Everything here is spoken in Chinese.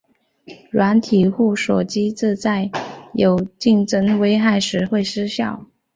软体互锁机制在有竞争危害时会失效。